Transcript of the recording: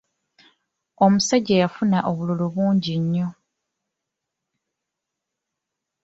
Omusajja yafuna obululu bungi nnyo.